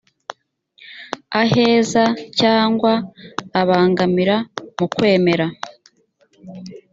aheza cyangwa abangamira mu kwemera